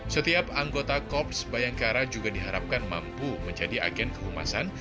setiap anggota korps bayangkara juga diharapkan mampu menjadi agen kehumasan